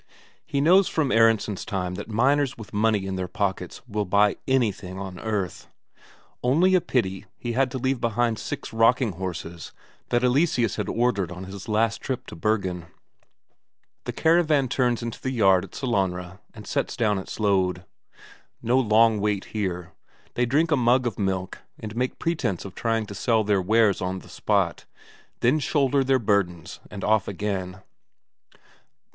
He knows from Aronsen's time that miners with money in their pockets will buy anything on earth. Only a pity he had to leave behind six rocking horses that Eleseus had ordered on his last trip to Bergen. The caravan turns into the yard at Sellanraa and sets down its load. No long wait here; they drink a mug of milk, and make pretence of trying to sell their wares on the spot, then shoulder their burdens and off again.